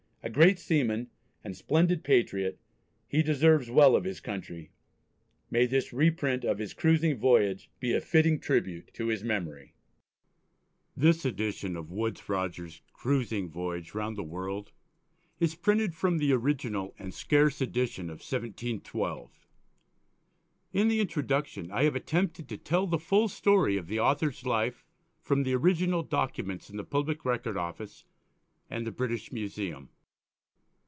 A great seaman and splendid patriot he deserves well of his country. May this reprint of his "Cruising Voyage" be a fitting tribute to his memory! This edition of Woodes Rogers's "Cruising Voyage round the World," is printed from the original and scarce edition of 1712. In the Introduction, I have attempted to tell the full story of the author's life from the original documents in the Public Record Office and the British Museum.